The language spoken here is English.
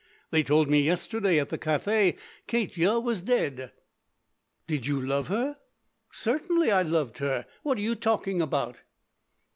They told me yesterday at the cafe, Katya was dead." "Did you love her?" "Certainly I loved her! What are you talking about!"